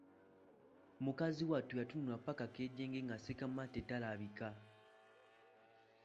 Mukazi wattu yatunula ppaka kkejenje nga Ssekamatte talabika.